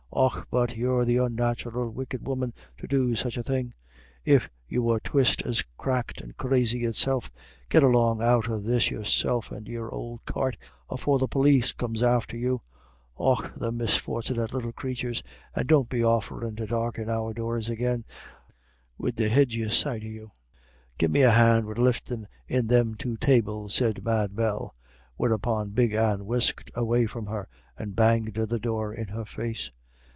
Och but you're the unnatural wicked woman to go do such a thing, if you was twyste as cracked and crazy itself. Git along out of this, yourself and your ould cart, afore the pólis comes after you. Och the misfort'nit little crathurs. And don't be offerin' to darken our doors agin wid the ojis sight of you." "Gimme a hand wid liftin' in them two tables," said Mad Bell. Whereupon Big Anne whisked away from her, and banged the door in her face.